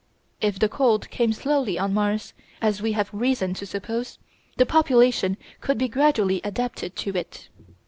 If the cold came slowly on Mars, as we have reason to suppose, the population could be gradually adapted to it.